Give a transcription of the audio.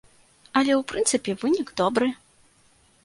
Але ў прынцыпе вынік добры.